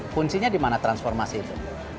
kuncinya di mana transformasi itu